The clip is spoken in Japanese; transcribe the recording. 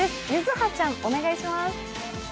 柚葉ちゃん、お願いします。